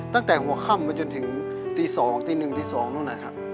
ตั้งแต่หัวค่ำไปจนถึงตีสองตีหนึ่งตีสองนั่นอ่ะครับ